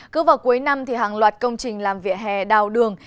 cứ vào cuối năm thì hàng loạt công trình làm vỉa hè đào đường